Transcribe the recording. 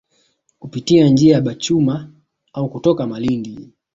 Kupitia njia ya Bachuma au kutoka Malindi